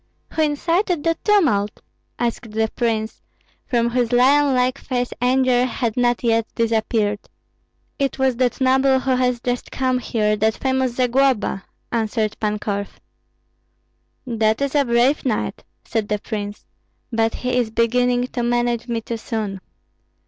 "Who incited that tumult?" asked the prince, from whose lion like face anger had not yet disappeared. "It was that noble who has just come here, that famous Zagloba," answered Pan Korf. "That is a brave knight," said the prince, "but he is beginning to manage me too soon."